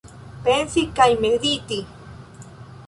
Pensi kaj mediti!